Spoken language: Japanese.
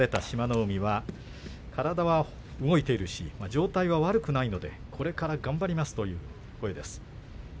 海体は動いているし状態は悪くないのでこれから頑張りますという声です。